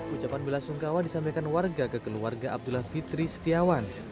ucapan bela sungkawa disampaikan warga ke keluarga abdullah fitri setiawan